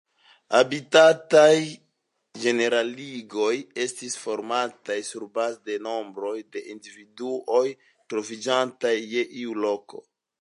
Habitataj ĝeneraligoj estis formataj surbaze de nombroj de individuoj troviĝantaj je iu loko.